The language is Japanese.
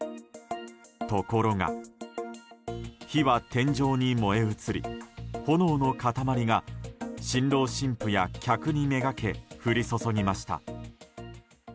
ところが、火は天井に燃え移り炎の塊が新郎・新婦や客に目がけ降り注ぎました。